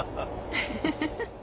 フフフフ！